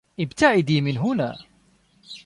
ابتعدي من هنا.